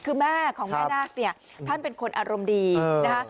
คือแม่ของแม่นาคเนี่ยท่านเป็นคนอารมณ์ดีนะคะ